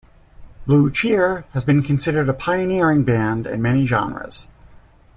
Blue Cheer has been considered a pioneering band in many genres.